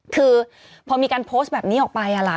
คือพอมีการโพสต์แบบนี้ออกไป